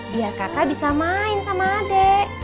biar kakak bisa main sama adik